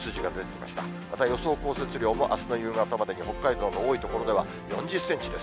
また予想降雪量も、あすの夕方までに北海道の多い所では４０センチです。